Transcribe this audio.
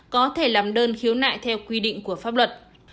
có thể làm đơn khiếu nại theo quy định của pháp luật